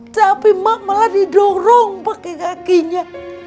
tapi ma malah didorong pake kakinya